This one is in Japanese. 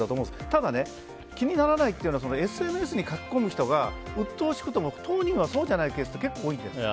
ただね、気にならないというのはＳＮＳに書き込む人がうっとうしくても当人はそうじゃないケースって多いんです。